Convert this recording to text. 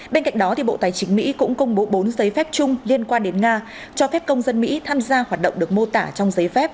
bên cạnh đó bộ tài chính mỹ cũng công bố bốn giấy phép chung liên quan đến nga cho phép công dân mỹ tham gia hoạt động được mô tả trong giấy phép